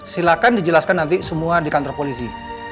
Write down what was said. silakan dijelaskan nanti semua di kantor polisi